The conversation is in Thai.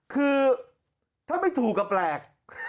คือถ้าไม่ถูกก็แปลก